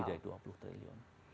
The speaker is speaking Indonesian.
sudah lebih dari dua puluh triliun